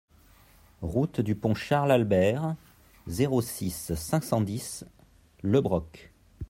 Route du Pont Charles Albert, zéro six, cinq cent dix Le Broc